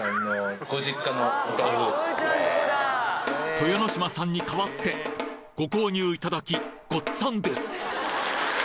豊ノ島さんに代わってご購入いただきごっつあんです